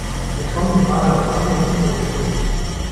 Wir kommen gerade aus Dingenskirchen.